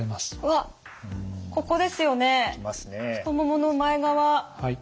わっここですよね太ももの前側。